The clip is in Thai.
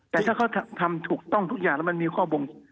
แต่ถ้าเขาทำถูกต้องทุกอย่างแล้วมันมีข้อบ่ง